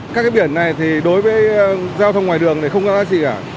các cái biển này thì đối với giao thông ngoài đường thì không có giá trị cả